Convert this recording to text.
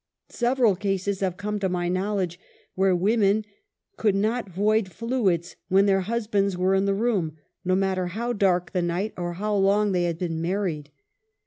^ Several cases have come to our knowledge where women could not void fluids when their husbands were in the room, no matter how dark the night or how long they had been married.